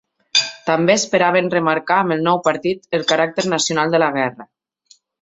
També esperaven remarcar amb el nou partit el caràcter nacional de la guerra.